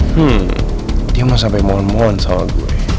hmm dia mau sampai mohon mohon sama gue